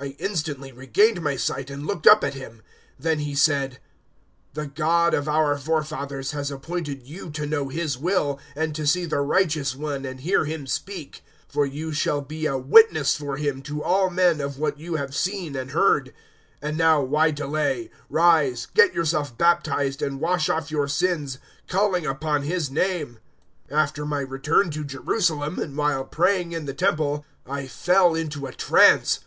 "I instantly regained my sight and looked up at him. 022:014 Then he said, `The God of our forefathers has appointed you to know His will, and to see the righteous One and hear Him speak. 022:015 For you shall be a witness for Him, to all men, of what you have seen and heard. 022:016 And now why delay? Rise, get yourself baptized, and wash off your sins, calling upon His name.' 022:017 "After my return to Jerusalem, and while praying in the Temple, I fell into a trance.